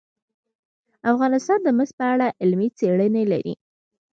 افغانستان د مس په اړه علمي څېړنې لري.